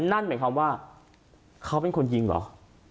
นั่นหมายความว่าเขาเป็นคนยิงเหรอ